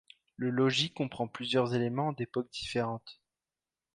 Le logis comprend plusieurs éléments d'époques différentes.